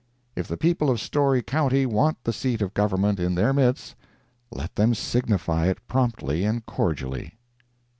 If the people of Storey county want the seat of government in their midst, let them signify it promptly and cordially.